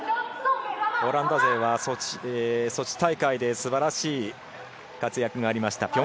オランダ勢はソチ大会で素晴らしい活躍がありました。